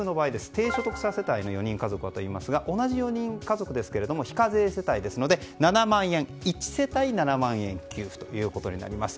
低所得世帯の４人家族の場合はというと同じ４人家族ですが非課税世帯ですので１世帯で７万円給付となります。